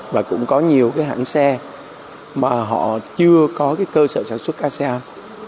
và cũng có nhiều cái hãng xe mà họ chưa có cái cơ sở sản xuất asean